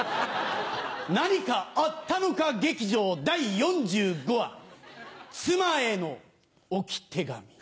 何かあったのか劇場第４５話「妻への置き手紙」。